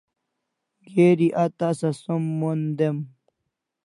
geri a tasa som mon dem